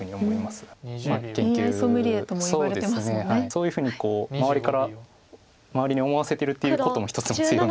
そういうふうに周りから周りに思わせてるっていうことも一つの強みで。